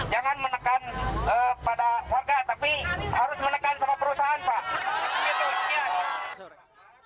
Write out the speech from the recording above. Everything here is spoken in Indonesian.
jangan menekan pada warga tapi harus menekan sama perusahaan pak